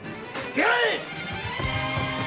出会え！